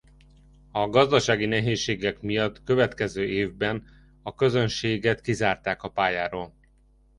A gazdasági nehézségek miatt következő évben a közönséget kizárták a pályáról.